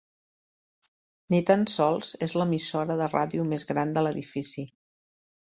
Ni tan sols és l'emissora de ràdio més gran de l'edifici.